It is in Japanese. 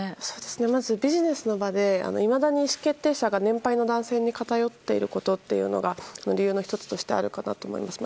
まずビジネスの場でいまだに意思決定者が年配の男性に偏っていることというのが理由の１つとしてあるかなと思います。